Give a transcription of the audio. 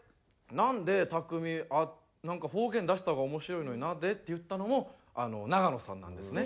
なんでたくみ方言出した方が面白いのになんで？」って言ったのも永野さんなんですね。